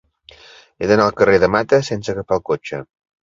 He d'anar al carrer de Mata sense agafar el cotxe.